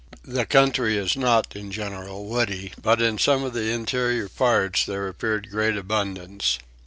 The country is not in general woody, but in some of the interior parts there appeared great abundance.